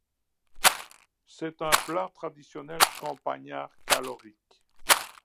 C'est un plat traditionnel campagnard calorique.